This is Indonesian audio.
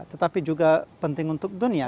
tetapi juga penting untuk dunia